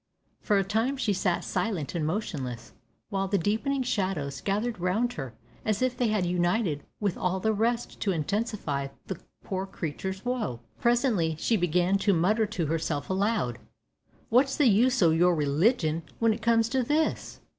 For a time she sat silent and motionless, while the deepening shadows gathered round her, as if they had united with all the rest to intensify the poor creature's woe. Presently she began to mutter to herself aloud "What's the use o' your religion when it comes to this?